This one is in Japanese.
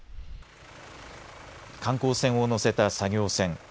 観光船を載せた作業船。